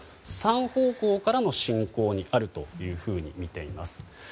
３方向からの侵攻にあるというふうにみています。